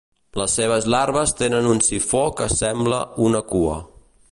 Les seves larves tenen un sifó que sembla una cua.